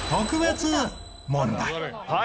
はい。